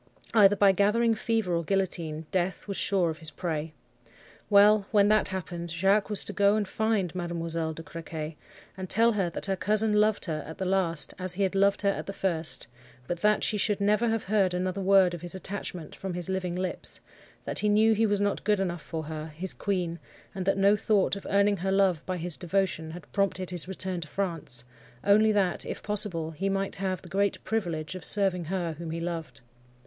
Either by gathering fever or guillotine, death was sure of his prey. Well! when that happened, Jacques was to go and find Mademoiselle de Crequy, and tell her that her cousin loved her at the last as he had loved her at the first; but that she should never have heard another word of his attachment from his living lips; that he knew he was not good enough for her, his queen; and that no thought of earning her love by his devotion had prompted his return to France, only that, if possible, he might have the great privilege of serving her whom he loved.